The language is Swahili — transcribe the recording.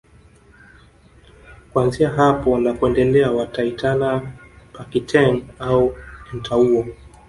Kuanzia hapo na kuendelea wataitana Pakiteng au Entawuo